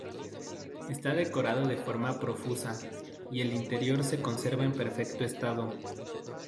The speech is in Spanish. Está decorado de forma profusa y el interior se conserva en perfecto estado.